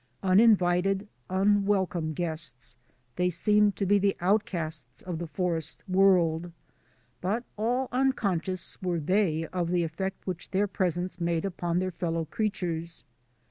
Uninvited, unwelcome guests, they seemed to be the outcasts of the forest world, but all unconscious were they of the effect which their presence made upon their fellow creatures.